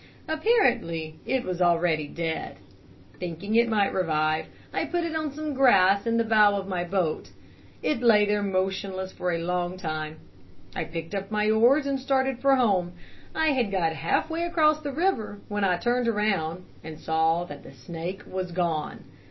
Apparently it was already dead. Thinking it might revive, I put it on some grass in the bow of the boat. It lay there motionless for a long time, and I picked up my oars and started for home. I had got half way across the river, when I turned around and saw that the snake was gone.